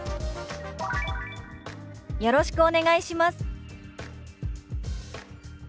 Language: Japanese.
「よろしくお願いします」。